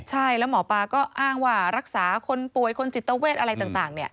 ใช่แล้วหมอปลาก็อ้างว่ารักษาคนป่วยคนจิตเวทอะไรต่าง